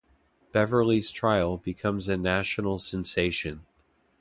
Beverly's trial becomes a national sensation.